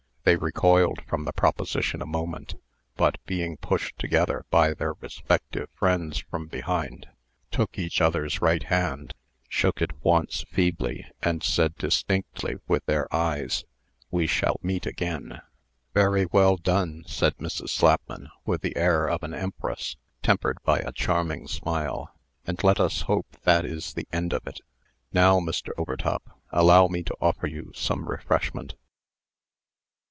They recoiled from the proposition a moment, but, being pushed together by their respective friends from behind, took each other's right hand, shook it once feebly, and said distinctly, with their eyes, "We shall meet again!" "Very well done," said Mrs. Slapman, with the air of an empress, tempered by a charming smile. "And let us hope that is the end of it. Now, Mr. Overtop, allow me to offer you some refreshment."